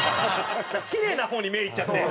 キレイな方に目いっちゃって。